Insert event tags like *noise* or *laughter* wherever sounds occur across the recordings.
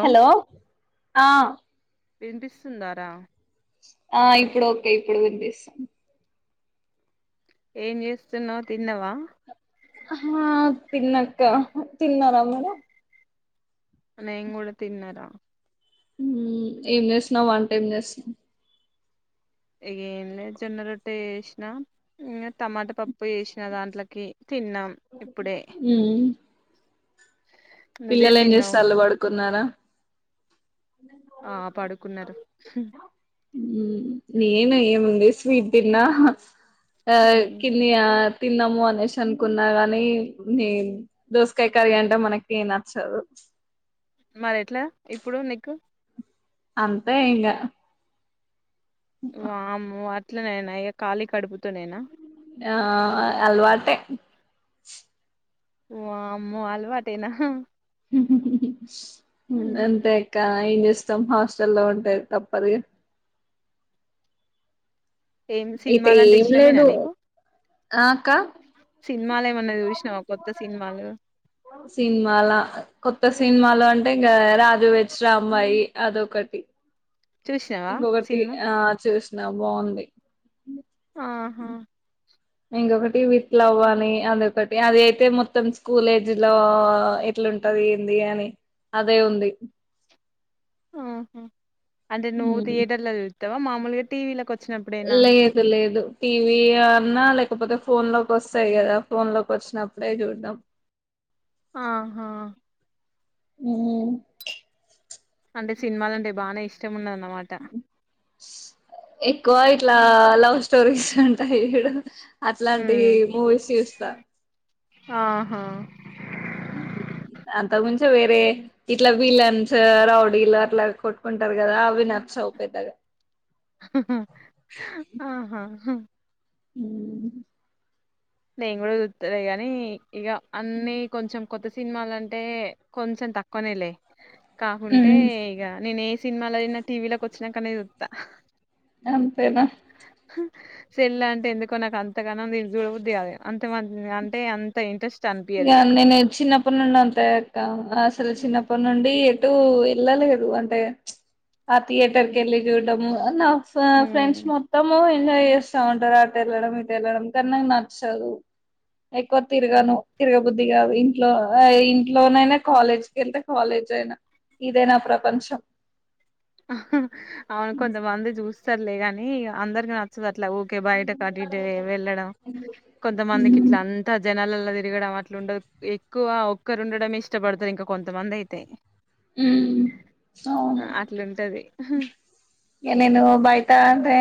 Hello ఆ పనిపిస్తుందారా ఆ ఇప్పుడు ఓకే ఇప్పుడు వినిపిస్తాం ఏం చేస్తున్నావు తిన్నావా హా తిన్నక తిన్నారా మరా అ నేం కూడా కూడా తిన్నార ఏం చేసినావు వంట ఏం చేసినాం ఏంలే జొన్న రొట్టె వేసిన ఇంకా టమాట పప్పు ఉప్పు చేసిన దాంట్లోకి తిన్నాం ఇప్పుడే మ్మ్ నువ్వేం పిల్లలు ఏం చేస్తే తిన్నావు అల్లు పడుకున్నారా ఆ పడుకున్నారు నేనుయ్య ముంద స్వీట్ తిన్నా ఆ హ్మ్ కన్నయా తిన్నాము అనేసి అనుకున్నా గాని న దోసకాయ కర్రీ అంటే మనకి నచ్చదు మరి ఎట్లా ఇప్పుడు నక్కు అంతా ఇంగా వామ్ అట్లనేేనా అయక ఖాళీ కడుపుతూనేనా ఆ అల్వాటే అమ్మో అలవాటనా అంతా అకా ఇస్ ఇష్టం హాస్టల్ల్లో ఉంటాయి తప్పరి ఏం అయితే సినిమాలంటే ఏం ఇష్టమేనా లేదు నీకు ఆ అక్క సినిమాలు ఏమన్నా చూసినావా కొత్త సినిమాలు సినిమాల కొత్త సినిమాలో అంటే రాజు వెజ రాంబాయి అదొకటి చూసినావా ఇంకొకటి సినిమా ఆ చూసినా బాగుంది ఆహా ఇంకొకటి విత్ లవ్ అని అదొకటి అది అయితే మొత్తం స్కూల్ ఏజ్ లో అట్లుంటది ఏంది అని అదే ఉంది ఆహా అంటే నువ్వు ఉమ్. థియేటర్ల వెళ్తావా మామూలుగా టీవీలో వ లేదు లేదు టీవీ అన్నా లే కాకపోతే ఫోన్ లో వస్తాయి కదా ఫోన్ లోకి వచ్చినప్పుడే చూడ్డంం ఆహా ఉ అంటే సినిమాలంటే బాగానే ఇష్టం ఉన్నదన్నమాట ఎక్కువ ఇట్లా లవ్ స్టోరీస్ ఉంటాయి ఇడ అట్లాంటివి ఉమ్. మూవీస్ చూస్తా ఆహా అంతముంచే వేరే ఇట్లా విలన్స్ రౌడీలు అట్లా కొట్టుకుంటారు గదా అవి నచ్చవ్ పెద్దగా హా హా ఆహా ఉమ్ నే గూడా చూతలే గానీ ఇగ అన్నీ కొంచెం కొత్త సినిమాలంటే కొంచెం తక్కువనే లే కాకుంటే ఇగ నేను సినిమాలైన టీవిలకి వచ్చినంకనే చూత్తా అంతేనా సెల్ అంటే ఎందుకో నాకు అంతగనం చూడబుద్ది గాదు అంత అంటే అంత ఇంట్రెస్ట్ ఇగ అనిపియదు ఇక నేను చిన్నప్పటి నుండి అంతే అక్క అసలు చిన్నప్పటి నుండి ఎటు వెళ్ళలేదు అంటే ఆ థియేటర్ కెళ్ళి చూడము నా ఉ ఫ్రెండ్స్ మొత్తము ఎంజాయ్ చేస్తా ఉంటారు అట వెళ్లడం ఇటు వెళ్ళడం కాని నాకు నచ్చదు ఎక్కువ ఉమ్ తిరగను. తిరగబుద్ది గాదు ఇంట్లో ఇంట్లోనైనా కాలేజ్ కెళ్తే కాలేజ్ అయినా ఇదే నా ప్రపంచం అవును కొంతమంది జూస్తారులే కాని అందరికి నచ్చదు అట్ల ఇట్లా ఊకే బయట కటు ఇటు వెళ్ళడం కొంతమందికి ఉమ్ ఇట్లా అంతా జనాలలో తిరగడం అట్లా ఉండదు ఎక్కువ ఒక్కరు ఉండడమే ఇష్టపడతారు ఇంకా కొంతమంది అయితే ఉమ్ ఆ, అవును అట్లుంటది ఇగ నేను బయటా అంటే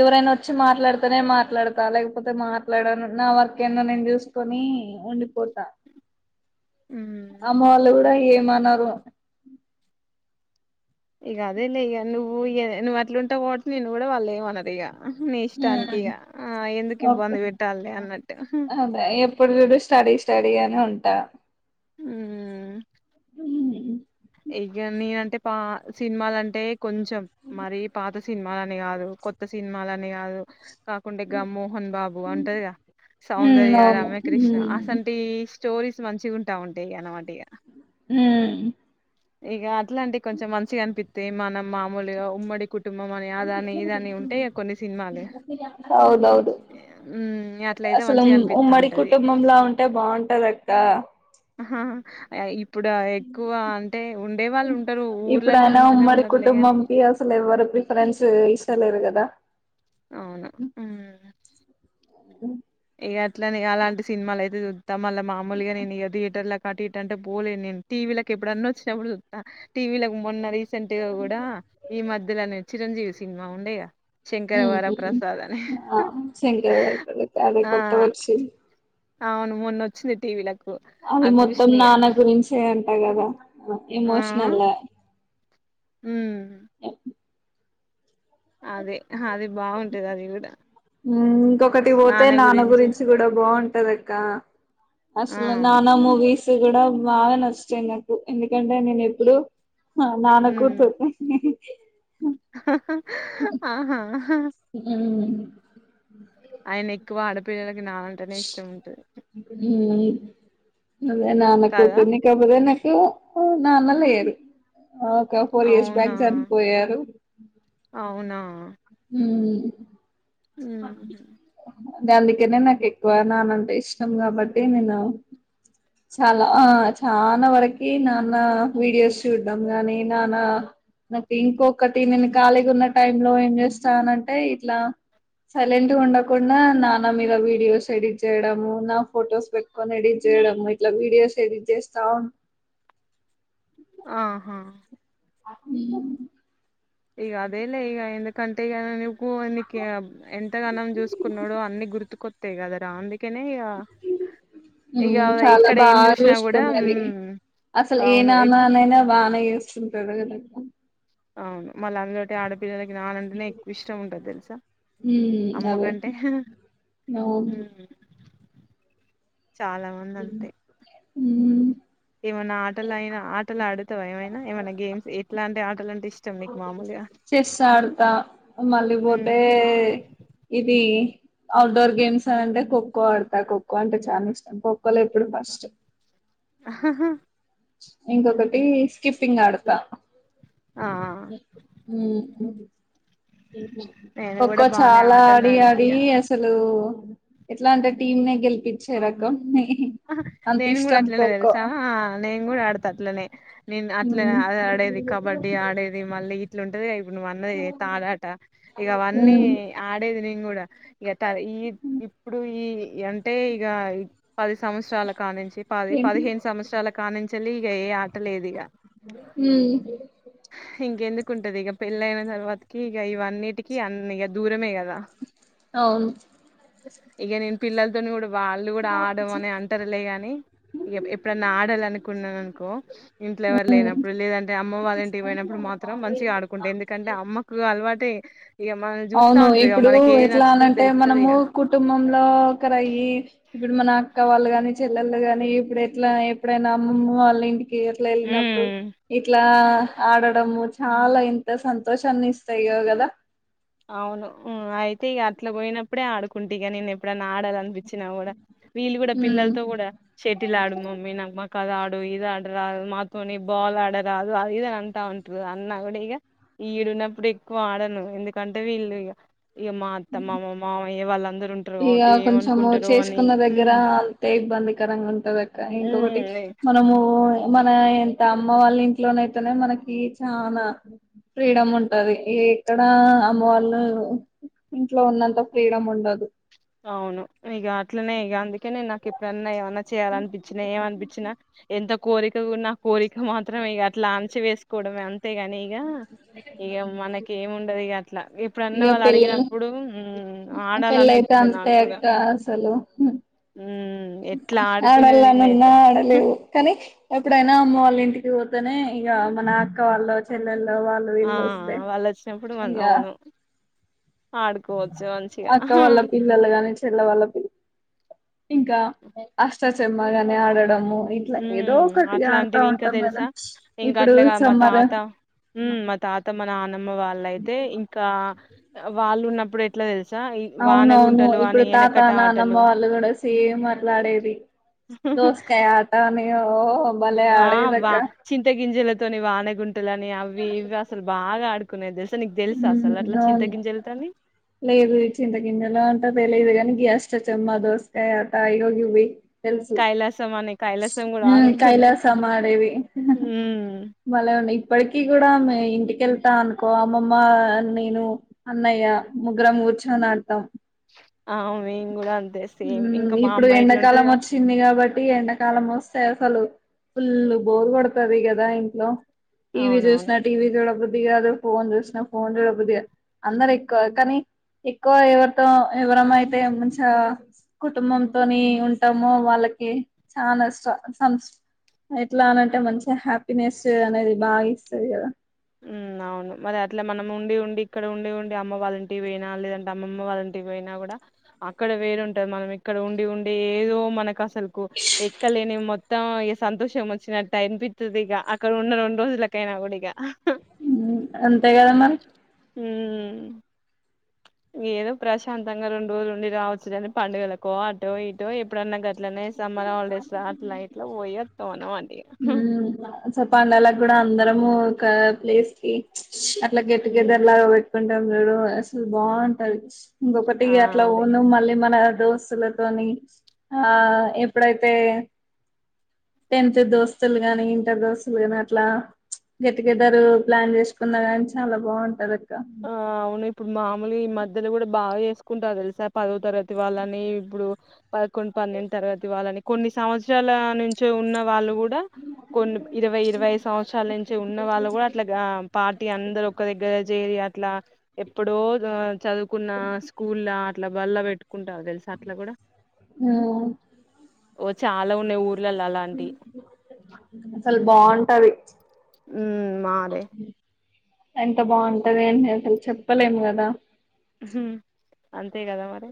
ఎవరైనా వచ్చి మాట్లాడితేనే మాట్లాడతా లేకపోతే మాట్లాడను నా వర్క్ ఏందో నేను చూస్ కొని ఉండిపోతా ఉమ్ ఇంట్ల ఏమనరు ఇగ అదే లే ఇగ నువ్వు నువ్వు అట్ల ఉంటావ్ కాబట్టి నిన్ను గూడా వాళ్ళు లేమనరు ఇగ నీ ఇష్టానికి ఉమ్ ఇగ ఆ ఎందుకు ఓకే ఇబ్బంది పెట్టాలి అన్నట్టు అదే ఎప్పుడు చూడు స్టడీ స్టడీ అని ఉంటా ఉమ్ ఉమ్ ఇగ నేనంటే పా సినిమాలంటే కొంచెం మరి పాత సినిమాలనే కాదు కొత్త సినిమాలనే కాదు కాకుంటే గా మోహన్ బాబు అంటదిగ ఉమ్ సౌందర్య అవును రమకృష్ణ ఉమ్ అసంటి స్టోరీస్ మంచిగా ఉంటా ఉంటాయి అన్నమాట ఇగ ఉమ్ ఇగ అట్లాంటి కొంచెం మంచిగా అనిపిస్తే మనం మామూలుగా ఉమ్మడి కుట్ టుంబం అని అదని ఇదని ఉంటయ్ గా కొన్ని సినిమాలు అవునవును ఉమ్ ఇగ అట్లా అసలు ఉమ్మడి కుటుంబంలా ఉంటే బాగుంటది అక్క ఆహా ఇప్పుడు ఎక్కువ ఉండే వాళ్ళు ఉంటరు ఇప్పుడు ఊర్లల్లో అయినా ఉంటనే ఉమ్మడి ఉన్నరులే గని కుటుంబం కి అసలు ఎవ్వరు ప్రిఫరెన్స్ ఇస్తలేరు గదా గదా అవును ఉమ్ అ *unintelligible* ఇగ అట్లనే అలాంటి సినిమాలు అయితే చూద్దాం మళ్ళ మామూలుగా నేను ఇగ థియేటర్ అట్ ఇట్ అంటే పోలేను నేను టీవీ లకు ఎప్పుడన్న వచ్చినప్పుడు చూత్త టీవీ లకు మొన్న రీసెంట్గా గూడా ఈ మధ్యలో అనే చిరంజీవి సినిమా ఉండేగా శంకర వరప్రసాద్ అని శంకర వరప్ర అదే ఆ కొత్తగ వచ్చింది అవును మొన్న వచ్చింది టీవీ లకి అది మొత్తం నాన్న గురించే అంటా కదా ఆ ఎమోషనల్ ఉమ్ ఉమ్ అదే అదే బాగుంటది అది కూడా ఇంకొకటి పోతే నాన్న గురించి కూడా బాగుంటది అక్క ఆ అసలు నానా మూవీస్ కూడా బాగా నచ్చతాయి నాకు ఎందుకంటే నేను ఎప్పుడు ఆ నాన కూర్తు ఆహాా అ త ప అదే కదా నాన్నకుతుంది కాబదే నా ఇ నాన్నల ఏదు ఒక ఫోర్ ఇయర్స్ అవునా బ్యాక్ చనిపోయారు అవునా హ ఉహు దాందుకనే నాకు ఎక్కువ నాన్నంటే ఇష్టం కాబట్టి నేను చాలా ఆ చాలా వరకి నాన్న వీడియోస్ చూడ్డంం గాని నాన్న నాకు ఇంకొకటి నేను ఖాళీగా ఉన్న టై లో ఏం చేస్తానంటే ఇట్లా సైలెంట్ ఉండకుండా నా నా మీద వీడియోస్ ఎడిట్ చేయడము నా ఫోటోస్ పెటుకొని ఎడిట్ చేయడం ఇట్ల వీడియోస్ ఏది చేస్తావును ఆహా అ ఈగ అదే ఇల్ ఈ ఇంద కంట ఎక్కువందుకి ఎంతగానం చూసుకున్నాడో అన్ని గుర్తుకొస్తాయి కదా రా కన చాలా బాగా కూడా చూసుకున్నది మ్, అసలు ఏ అవును ఎక్- నానానైనా బాగానే చేస్తుంటారు కద్ అవును మళ్ళీ అందులోటి ఆడపి పిల్లలకి నాన్నంటేనే ఎక్కువ ఇష్టం ఉంటుంది తెలుసా అమ్మకంటే నవును చాలా మంది అంతే ఉమ్ ఏమనా ఆటలుయినా ఆటలు ఆడతావా ఏమైనా ఏమైనా గేమ్స్ ఎట్లాంటి ఆటలు అంటే ఇష్టం నీకు మామూలుగా చేస్తాడత ఉమ్. మళ్ళీపోతే ఇది అఔట్డోర్ గేమ్స్ అ అంటే ఖోఖో ోఖో పడతా ోఖో అంటే చాలా ఇష్టం ోఖోలో ఇప్పుడు ఫస్ట్ ఆాహా ఇంకొకటి స్కకిప్పింగ్ ఆడత ఆ నేను కూడా ఒక్కో బానే చాలా ఆటలు ఆడి ఆడుత ఆడి ఇగ అసలు ఎట్లా అంటే టీమ్ నే గెలిపించే రకంన్ని నేను కూడా అట్లనే తెలుసా నేను కూడా ఆడతా అట్లనే నేను అట్లా హ్మ్ ఆడేది కబడ్డీ ఆడేది మళ్ళీ ఇట్లాంటది ఇప్పుడు నువ అన్నది తాడాట ఇక అవన్నీ హ్మ్ ఆడేది నేను కూడా ఇక ఈ ఇప్పుడు ఈ అంటే ఇక పది సంవత్సరాల కా నుంచి పది ఏంటి పదిహేను సంవత్సరాల కానుంచి ఇక ఏ ఆట లేదు ఇక హ ంటది ఇక పెళ్ళ అయిన తర్వాతకి ఇక ఇవన్నిటిక అ ఇక దూరమే కాదా అవును ఇక నేను పిల్లలతోని కూడా వాళ్ళు కూడా ఆడ అని అంటారులే గాని ఎప్పుడన్నా ఆడాలి అనుకున్నాను అనుకో ఇంట్లో ఎవరు హ్మ్ లేనప్పుడు లేదంటే అమ్మ వాళ్ళంటివి పోయినప్పుడు మాత్రం మంచిగా ఆడుకుంటే ఎందుకంటే అమ్మకు అలవాటు అవును ఇప్పుడు ఏది ఎట్లా నచ్చుతదో అనంటే తెలుత్తది మనము ఇక కుటుంబంలో ఒక ఒకర అయ్యి ఇప్పుడు మన అక్క వాళ్ళు కాని చెల్లెలు గాని ఇప్పుడు ఎట్లా ఎప్పుడైనా అమ్మమ్మ వాళ్ళ ఇంటికి ఎట్లా వెళ్ళినప్పుడు ఉమ్ ఇట్లా ఆడడం చాలా ఇంత సంతోష అన్ని ఇస్తా ఇగదా అవును అయితే ఇక అట్లా పోయినప్పుడే ఆడుకుంటే ఇక నేను ఎప్పుడైన్నా ఆడాలనిపిస్తే చ్చినా కూడా వీళ్ళు కూడా ఉమ్ పిల్లలతో కూడా షెటిలా ఆడు మమ్మీ నాకు మాకు అద ఆడు ఇది ఆడరాదు మాత్వని బాల్ ఆడరాదు అది ఇది అంటా ఉంటరూ అన్న కూడా ఇగ ఈడున్నప్పుడు ఎక్కువ ఆడను ఎందుక కంటే వీళ్ళు ఇక మా అత్తమ్మా మా మామయ్య వాళ్ళందరు ఇక కొంచము చేసుకున్న దగ్గర హ్మ్. అంతే ఇబ్బందికరంగా ఉంటంది క ఇంకా ఒకటి హ్మ్. మనము మన ఎంత అమ్మ వాళ్ళ ఇంట్లోనయితేనే మనకి చనా ఫ్రీడమ్ ఉంటది ఇక్కడ అమ్మ వాళ్ళు ఇంట్లో ఉన్నంత ఫ్రీడమ్ ఉండదు అవును ఇక అట్లనే ఇక అందుకే నేను నాకు ఇప్పుడన్నా ఏమన్నా చేయాలనిపించినా ఏమనిపించిన అంత కోరిక నా కోరిక మాత్రమే ఇ అట్లా ఆంచి వేసుకోవడమే అంతేగాని ఈగ ఇక మనకి ఏం ఉండదు ఇట్లా ఇప్పుడున్న ఇగ వాళ్ళు పెళ్ళి అడిగినప్పుడు ఆడాలనిపించి గంతే అక్కసలు మ్మ్ ఎట్లా ఆడుకునేది ఆడళని ఉన్నా నేనైతే అస ఆడలేవు కానీ ఎప్పుడైనా అమ్మ వాళ్ళ ఇంటికి పోతేనే ఇక మన అక్క వాళ్ళ చెల్లెలు వాళ్ళ ఆ ఇల్ వస్తే వాళ్ళు వచ్చినప్పుడు మనం ఇగ అవును ఆడుకోవచ్చు మంచిగా అక్క వాళ్ళ పిల్లలు గాని చెల్ల వాళ్ళ పిల్లలు ఇంకా అష్టచమ్మగానే ఆడడము ఇట్లా ఏదో హ్మ్ ఒకటిగా ఆడుతా అట్లాంటివి ఇంకా ఉంటాం కదా తెలుసా ఇంకా ఇప్పుడు అట్లే కాదు మా సమ్మర్ తాత మా తాత మా నానమ్మ వాళ్ళ అయితే ఇంకా వాళ్ళు ఉన్నప్పుడు ఎట్లా తెలుసు అవునవును ఇప్పుడు తాత నానమ్మ ఆటలు వాళ్ళు కూడా సేమ్ మాట్లాడేది దోస్కాయట ఓ భలే ఆ అ్వ ఆడేదక్క చింత గింజిల వానగుంటలని అవి ఇవి అసలు బాగా ఆడుకునేది నీకు తెలుసా అసలు అట్లా చింత అవును గింజలతోని లేదు చింత ఈ గింజల అంట తెలిదు కాని అష్ట చెమ్మా దోసకాయ్ ఆట ఇగో గివ్వి హ్మ్మ్ తెలుసు కైలాసం అని కైలాసం కూడా ఆడుకునేది కైలాస మాడేది హ్మ్ మళ ఉన్నా ఇప్పటికీ కూడా మే ఇంటికెళ్తా అనుకో అమ్మమ్మ నేను అన్నయ్య ముగ్గురం కూర్చొని ఆడతాం అవును మేము కూడా అంతే సేమ్ ఇంకా మా ఇప్పుడు అమ్మ ఇట్లా ఎండాకాలం ఉంటదిగా వచ్చింది కాబట్టి ఒకటి ఎండాకాలం వస్తే అసలు ఫుల్లు బోరు కొడుతుంది కదా ఇంట్లో టీవి అవునవును చూసీనా టీవీ చూడబుద్ధి కాదు ఫోన్ చూసిన ఫోన్ చూడ బుద్ధి గాదు అందరు ఎక్కువ కానీ ఎక్కువ ఎవరితో ఎవరమ అయితే మంచిగా కుటుంబంతోని ఉంటామో వాళ్ళకి చాలా సంస్ ఎట్లా అనంటే మంచి హ్యాపీనెస్ అనేది బాగా ఇస్తుది కదా ఉ అవును మరి అట్లా మనం ఉండి ఉండి ఇక్కడ ఉండి ఉండి అమ్మ వాళ్ళంటివి వయినా లేదంటే అమ్మమ్మ వాళ్ళంటి టికీ పోయినా కూడా అక్కడ వేరుంటాది మనం ఇక్కడ ఉండి ఉండి ఏదో మనకు సల్కు ఎక్కలేని మొత్తం సంతోషం వచ్చినట్టు అనిపిస్తుది ఇక అక్కడ ఉన్న రెండు రోజులకైనా కూడా ఇక అంతే కద మరి మ్మ్ ఏదో ప్రశాంతంగా రెండు రోజులు ఉండి రావచ్చుగానీ పండుగలకు అటో ఇటో ఎప్పుడన్నా గట్లనే మనం హాలిడేస్ లా అట్లా ఇట్లా పోయస్తామనం అ ఉమ్ మంచిగా పండాలకు కూడా అందరము ఒక ప్లేస్ కి అట్లా గెట్ టుగెదర్ ఉమ్ లాగా పెట్టుకుంటాం చూడు అసలు బాగుంటాది ఇంకొకటి ఆ అట్లా అదే ఓను మళ్ళీ మన దోస్తులతోని ఆ ఎప్పుడైతే టన్త్ దోస్తులు గాని ఇంటర్ దోస్తులు ని అట్లా గెట్ టుగెదరు ప్లాన్ చేసుకున్నా కాని చాలా బాగుంటది ఆ అవును ఇప్పుడు మామూలుగా ఈ మధ్యలో కూడా బాగా చేసుకుంటారు తెలుసా పదో తరగతి వాళ్ళని ఇప్పుడు పదకొడు పన్నెండు తరగతి వాళ్ళని కొన్ని సంవత్సరాల నుంచే ఉన్న వాళ్ళు కూడా కొన్ని ఇరవై ఇరవై సంవత్సరాల నుంచి ఉన్న వాళ్ళు కూడా అట్లా పా అందరు ఒక దగ్గర చేరి అట్లా ఎప్పుడో చదువుకున్న స్కూల్ అ బల్ల పెట్టుకుంటారూ తెలుస అట్లా కూడా హ్మ్ ఓ చాలా ఉన్నాయి ఊర్లలో అలాంటివి అసలు బాగుంటది ఉ మారే ఎంత బాగుంటది అసలు చెప్పలేము కదా అంతే కదా మరి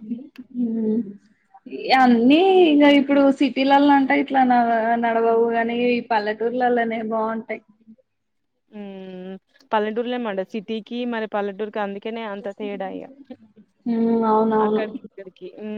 హ ఉమ్. అన్నీ ఇ ఇప్పుడు సిటీలలో అంటే ఇట్లా నడవవు గానీ ఈ పల్లెటూర్లలోనే బాగుంటాయి పల్లెటూరులేమంట సిటీకి మరి పల్లెటూరుకి అందుకె కనే అంత తేడ ఇగ అవునవును అక్కడికి ఇక్కడికి ఊ